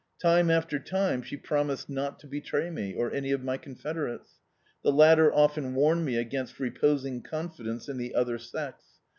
Time after time she promised not to betray me; or any of my con federates. The latter often warned me against re posing confidence in the other sex.